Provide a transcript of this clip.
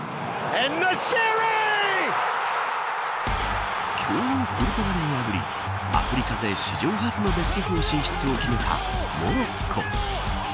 モロッコの快進撃が強豪ポルトガルを破りアフリカ勢、史上初のベスト４進出を決めたモロッコ。